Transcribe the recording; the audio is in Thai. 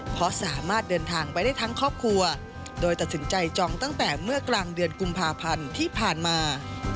เพราะสามารถเดินทางไปได้ทั้งครอบครัวโดยตัดสินใจจองตั้งแต่เมื่อกลางเดือนกุมภาพันธ์ที่ผ่านมา